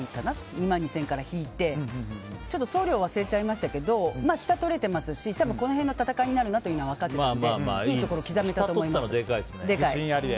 ２万２０００円から引いてちょっと送料忘れちゃいましたけど下とれてますしこの辺の戦いになると思ったのでいいところ刻めたと思います。